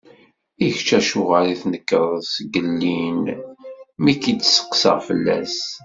I kečč, acuɣer i tnekreḍ sgellin mi k-id-steqsaɣ fell-as?